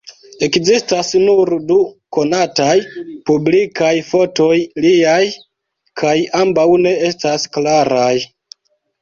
Ekzistas nur du konataj publikaj fotoj liaj; kaj ambaŭ ne estas klaraj.